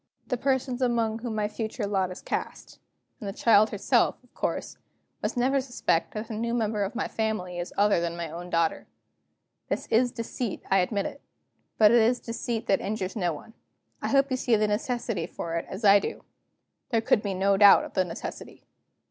The persons among whom my future lot is cast and the child herself, of course must never suspect that the new member of my family is other than my own daughter. This is deceit, I admit; but it is deceit that injures no one. I hope you see the necessity for it, as I do." There could be no doubt of the necessity.